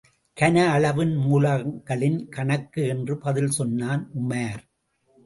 கனஅளவின் மூலங்களின் கணக்கு என்று பதில் சொன்னான் உமார்.